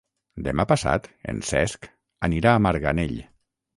Demà passat en Cesc anirà a Marganell.